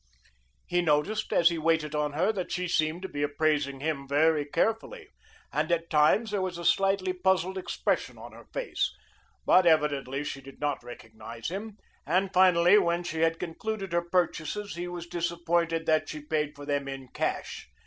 He noticed as he waited on her that she seemed to be appraising him very carefully, and at times there was a slightly puzzled expression on her face, but evidently she did not recognize him, and finally when she had concluded her purchases he was disappointed that she paid for them in cash.